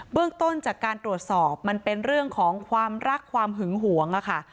เรื่องต้นจากการตรวจสอบมันเป็นเรื่องของความรักความหึงหวงค่ะ